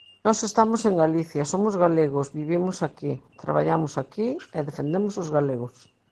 Nós estamos en Galicia, somos galegos, vivimos aquí, traballamos aquí e defendemos os galegos.